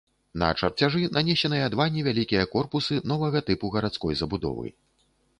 На чарцяжы нанесеныя два невялікія корпусы новага тыпу гарадской забудовы.